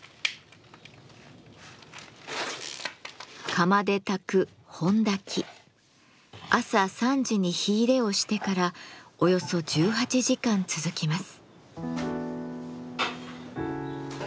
釜で焚く朝３時に火入れをしてからおよそ１８時間続きます。